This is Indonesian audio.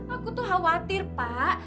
aku tuh khawatir pak